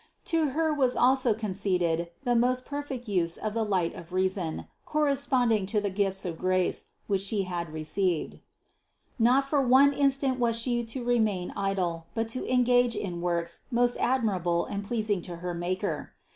To Her was also conceded the most perfect use of the light of reason, corresponding to the gifts of grace, which She had received Not for one instant was She to remain idle, but to engage in works most admirable and pleasing to her Maker.